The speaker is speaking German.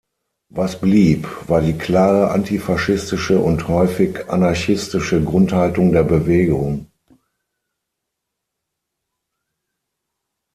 Was blieb, war die klare antifaschistische und häufig anarchistische Grundhaltung der Bewegung.